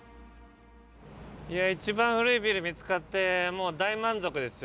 いや一番古いビル見つかってもう大満足ですよ。